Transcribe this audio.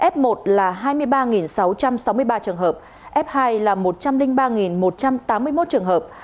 f một là hai mươi ba sáu trăm sáu mươi ba trường hợp f hai là một trăm linh ba một trăm tám mươi một trường hợp